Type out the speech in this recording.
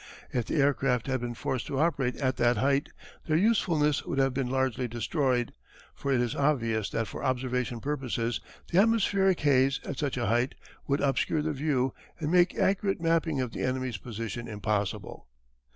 If the aircraft had been forced to operate at that height their usefulness would have been largely destroyed, for it is obvious that for observation purposes the atmospheric haze at such a height would obscure the view and make accurate mapping of the enemy's position impossible.